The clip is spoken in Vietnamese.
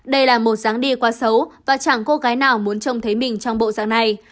đây là một dáng đi quá xấu và chẳng có cái nào muốn trông thấy mình trong bộ dạng này